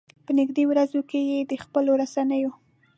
په نږدې ورځو کې یې د خپلو رسنيو.